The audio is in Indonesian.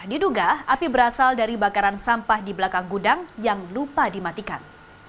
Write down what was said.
diduga api berasal dari bakaran sampah di belakang gudang yang lupa dimatikan